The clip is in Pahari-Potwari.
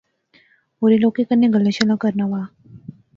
ہورنیں لوکیں کنے گلاں شلاں کرنا وہا